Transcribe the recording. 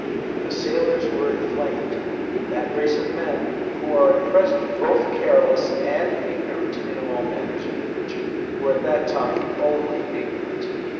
The sailors were inflamed. That race of men, who are at present both careless and ignorant in all matters of religion, were at that time only ignorant.